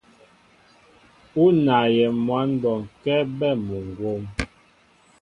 U naayɛ mwǎn bɔnkɛ́ bɛ́ muŋgwóm.